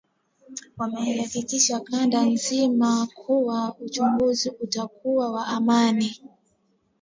wameihakikishia kanda nzima kuwa uchaguzi utakuwa wa amani